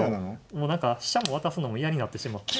もう何か飛車も渡すのも嫌になってしまって。